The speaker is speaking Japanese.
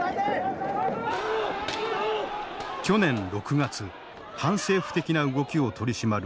去年６月反政府的な動きを取り締まる